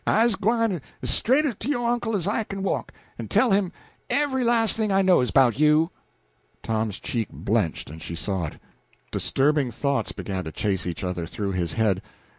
I's gwine as straight to yo' uncle as I kin walk, en tell him every las' thing I knows 'bout you." Tom's cheek blenched, and she saw it. Disturbing thoughts began to chase each other through his head.